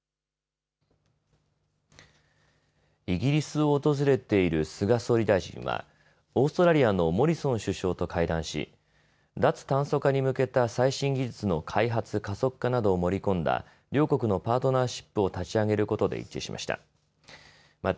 イギリスを訪れている菅総理大臣はオーストラリアのモリソン首相と会談し脱炭素化に向けた最新技術の開発加速化などを盛り込んだ両国のパートナーシップを立ち上げることで一致しました。